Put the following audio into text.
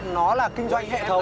nó là kinh doanh hệ thống